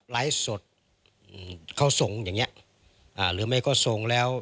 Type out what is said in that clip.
ไลฟ์สดเข้าทรงอย่างนี้หรือไม่เข้าทรงแล้ว